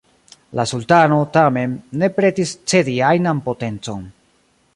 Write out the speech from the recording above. La Sultano, tamen, ne pretis cedi ajnan potencon.